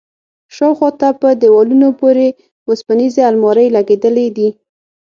شاوخوا ته په دېوالونو پورې وسپنيزې المارۍ لگېدلي دي.